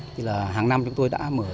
thì là hàng năm chúng tôi đã mở